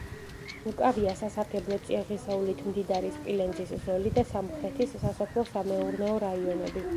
უკავია სასარგებლო წიაღისეულით მდიდარი სპილენძის ზოლი და სამხრეთის სასოფლო-სამეურნეო რაიონები.